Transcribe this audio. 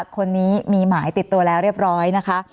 คนนี้มีหมายติดตัวแล้วเรียบร้อยนะคะ